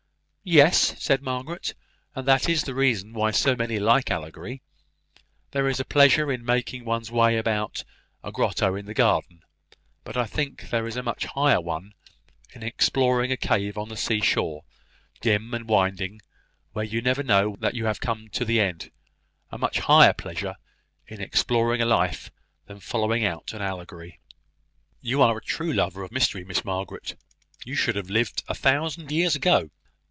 "Yes," said Margaret; "and that is the reason why so many like allegory. There is a pleasure in making one's way about a grotto in a garden; but I think there is a much higher one in exploring a cave on the sea shore, dim and winding, where you never know that you have come to the end, a much higher pleasure in exploring a life than following out an allegory." "You are a true lover of mystery, Miss Margaret. You should have lived a thousand years ago."